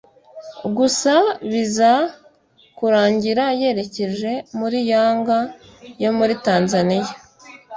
gusa biza kurangira yerekeje muri Yanga yo muri Tanzania